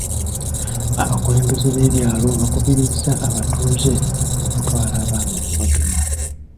Abakulembeze b'ebyalo bakubiriza abatuuze okutwala abaana okubagema.